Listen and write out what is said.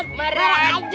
bumarah aja dah